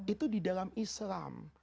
itu di dalam islam